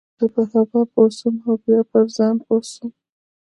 زه په هوا سوم او بيا پر ځان پوه نه سوم.